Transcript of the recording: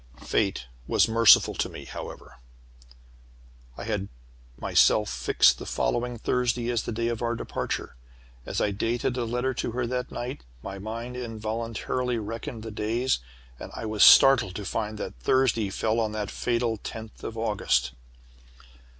Fate was merciful to me, however! "I had myself fixed the following Thursday as the day for our departure. As I dated a letter to her that night my mind involuntarily reckoned the days, and I was startled to find that Thursday fell on that fatal tenth of August.